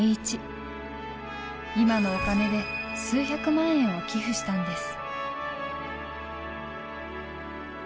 今のお金で数百万円を寄付したんです。